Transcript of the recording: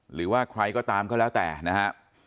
หรือว่าใครก็ตามก็แล้วแต่นะฮะ